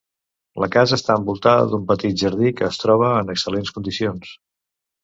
La casa està envoltada d'un petit jardí que es troba en excel·lents condicions.